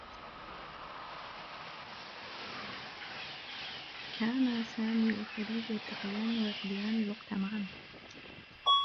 كانا سامي و فريد يلتقيان و يقضيان الوقت معا.